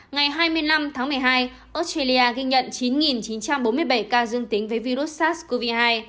ngày hai mươi năm tháng một mươi hai australia ghi nhận chín chín trăm bốn mươi bảy ca dương tính với virus sars cov hai